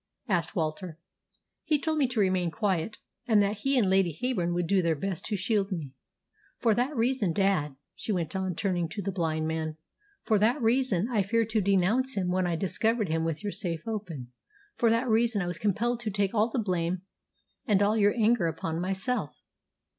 asked Walter. "He told me to remain quiet, and that he and Lady Heyburn would do their best to shield me. For that reason, dad," she went on, turning to the blind man, "for that reason I feared to denounce him when I discovered him with your safe open, for that reason I was compelled to take all the blame and all your anger upon myself."